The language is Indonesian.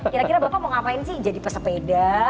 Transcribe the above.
kira kira bapak mau ngapain sih jadi pesepeda